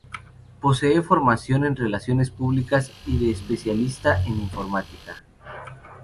Posee formación en relaciones públicas y es especialista en informática.